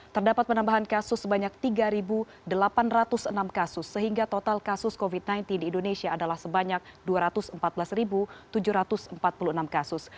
terdapat penambahan kasus sebanyak tiga delapan ratus enam kasus sehingga total kasus covid sembilan belas di indonesia adalah sebanyak dua ratus empat belas tujuh ratus empat puluh enam kasus